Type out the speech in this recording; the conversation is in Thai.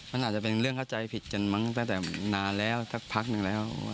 มันอาจจะเป็นเรื่องเข้าใจผิดกันมั้งตั้งแต่นานแล้วสักพักหนึ่งแล้ว